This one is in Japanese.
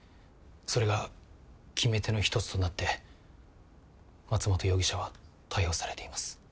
それが決め手の１つとなって松本容疑者は逮捕されています。